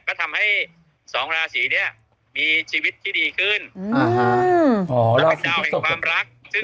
ก็ทำให้สองลาศีเนี้ยมีชีวิตที่ดีขึ้นอืมอ๋อแล้ว